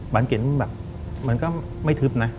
บานเกียรติมันแบบมันก็ไม่ทึบนะ